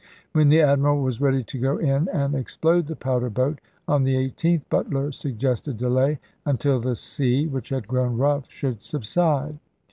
When the admiral was ready to go in and explode the powder boat, on the 18th, Butler sug gested delay until the sea, which had grown rough, should subside.